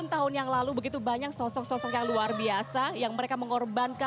nah sekarang enggak